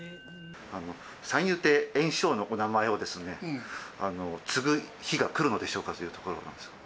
三遊亭圓生のお名前を継ぐ日が来るのでしょうかというところなんですけど。